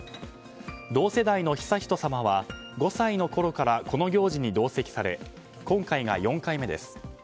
同世代の悠仁さまは５歳のころからこの行事に同席され今回が４回目です。